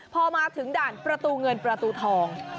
พอมาถึงด่านประตูเงินประตูทอง